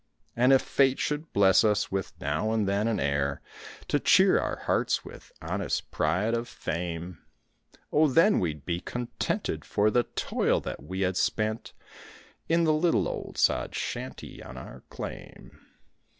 And if fate should bless us with now and then an heir To cheer our hearts with honest pride of fame, Oh, then we'd be contented for the toil that we had spent In the little old sod shanty on our claim.